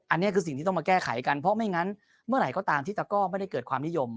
อันนี้คือสิ่งที่ต้องมาแก้ไขกันเพราะไม่งั้นเมื่อไหร่ก็ตามที่ตะก้อไม่ได้เกิดความนิยม